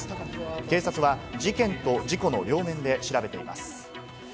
警察は事件と事故の両面で調べています。